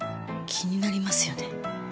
気になりますよね。